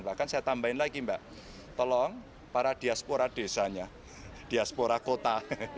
bahkan saya tambahin lagi mbak tolong para diaspora desanya diaspora kota